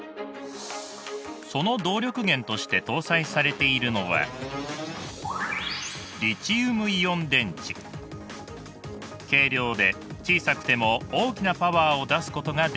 その動力源として搭載されているのは軽量で小さくても大きなパワーを出すことができます。